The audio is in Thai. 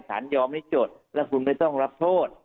ยอมให้จดแล้วคุณไม่ต้องรับโทษ